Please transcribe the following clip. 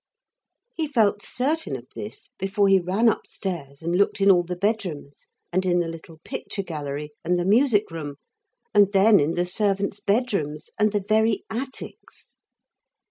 He felt certain of this before he ran upstairs and looked in all the bedrooms and in the little picture gallery and the music room, and then in the servants' bedrooms and the very attics.